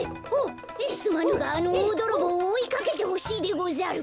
すまぬがあのおおどろぼうをおいかけてほしいでござる。